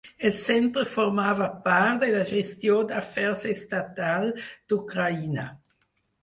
El centre formava part de la gestió d'afers estatal d'Ucraïna.